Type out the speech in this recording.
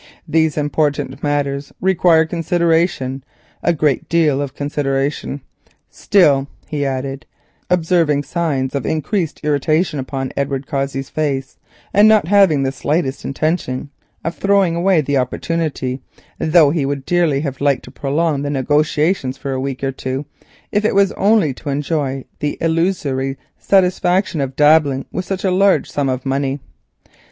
"These important matters require consideration, a great deal of consideration. Still," he added, observing signs of increasing irritation upon Edward Cossey's face, and not having the slightest intention of throwing away the opportunity, though he would dearly have liked to prolong the negotiations for a week or two, if it was only to enjoy the illusory satisfaction of dabbling with such a large sum of money.